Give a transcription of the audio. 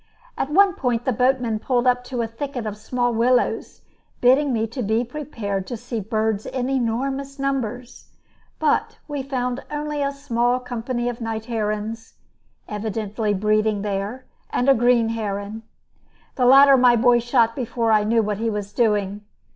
At one point the boatman pulled up to a thicket of small willows, bidding me be prepared to see birds in enormous numbers; but we found only a small company of night herons evidently breeding there and a green heron. The latter my boy shot before I knew what he was doing.